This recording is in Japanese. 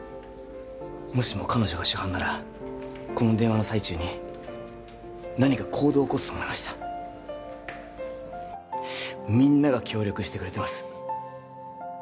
もしも彼女が主犯ならこの電話の最中に何か行動を起こすと思いましたみんなが協力してくれてます